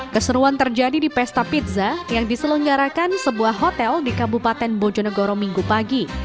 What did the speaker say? keseruan terjadi di pesta pizza yang diselenggarakan sebuah hotel di kabupaten bojonegoro minggu pagi